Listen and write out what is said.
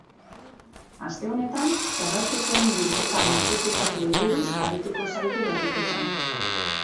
Aste honetan, perretxikoen bilketa masifikatuei buruz arituko zaigu berriketan.